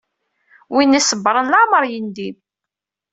Win isebṛen leɛmeṛ yendim.